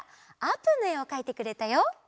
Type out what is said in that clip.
あーぷんのえをかいてくれたよ。